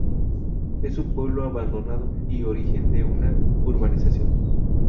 Es un pueblo abandonado y origen de una urbanización.